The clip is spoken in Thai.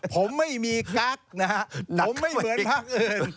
ผมไม่มีกราศน์นะฮะผมไม่เหมือนภาคอิน